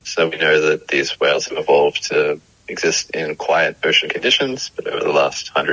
jadi kami tahu bahwa ikan paus ini berkembang untuk berwujud di kondisi laut yang tenang